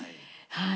はい。